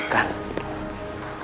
tapi aku masih mau makan